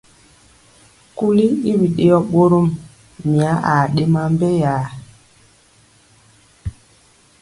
Kuli i biɗeyɔ ɓorom, mya aa ri ɗema mbeyaa.